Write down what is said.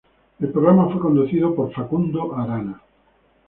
El programa fue conducido por Facundo Arana.